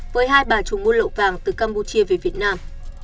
với hai bà trùng mua lậu vàng từ campuchia về việt nam